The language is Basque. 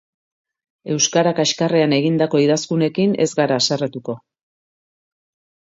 Euskara kaxkarrean egindako idazkunekin ez gara haserretuko.